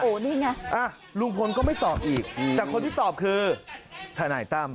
นี่ไงลุงพลก็ไม่ตอบอีกแต่คนที่ตอบคือทนายตั้ม